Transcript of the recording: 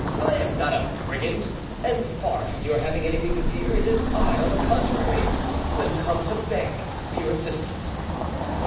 I am not a brigand, and far from your having anything to fear, it is I, on the contrary, who am come to beg for your assistance."